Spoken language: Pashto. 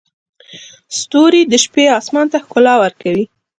ستوري د شپې اسمان ته ښکلا ورکوي.